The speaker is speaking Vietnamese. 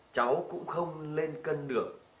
cháu cũng không lên cân được